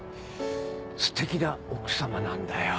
ステキな奥様なんだよ。